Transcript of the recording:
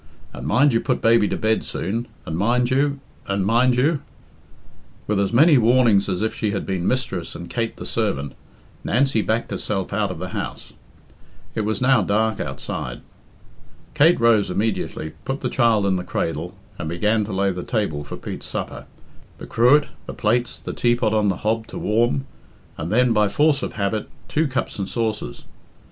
And mind you put baby to bed soon, and mind you and mind you " With as many warnings as if she had been mistress and Kate the servant, Nancy backed herself out of the house. It was now dark outside. Kate rose immediately, put the child in the cradle, and began to lay the table for Pete's supper the cruet, the plates, the teapot on the hob to warm, and then by force of habit two cups and saucers.